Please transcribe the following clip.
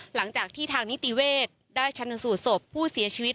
หลังจากที่ทางนิติเวศได้ชันสูตรศพผู้เสียชีวิต